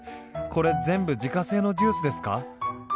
これ全部自家製のジュースですか？